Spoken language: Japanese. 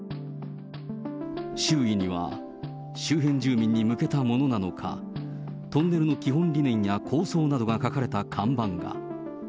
周囲には周辺住民に向けたものなのか、トンネルの基本理念や構想などが書かれた看板が。